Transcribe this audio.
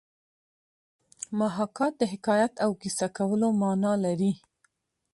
محاکات د حکایت او کیسه کولو مانا لري